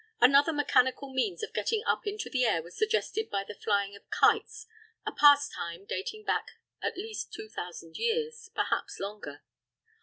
Another mechanical means of getting up into the air was suggested by the flying of kites, a pastime dating back at least 2,000 years, perhaps longer.